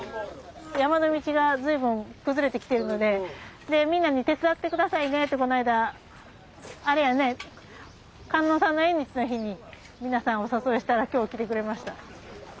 山の道が随分崩れてきてるのでみんなに手伝って下さいねってこないだあれやね観音さんの縁日の日に皆さんお誘いしたら今日来てくれました。